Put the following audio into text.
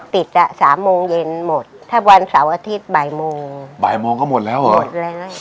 อ่ะสามโมงเย็นหมดถ้าวันเสาร์อาทิตย์บ่ายโมงบ่ายโมงก็หมดแล้วเหรอหมดแล้ว